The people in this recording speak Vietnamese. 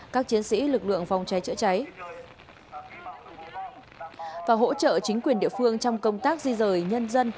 các chiến sĩ lực lượng phòng cháy chữa cháy và hỗ trợ chính quyền địa phương trong công tác di rời nhân dân